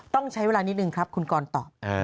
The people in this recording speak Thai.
ต้องใช้เวลานิดนึงครับคุณกรตอบ